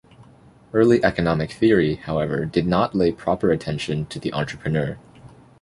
Early economic theory, however did not lay proper attention to the entrepreneur.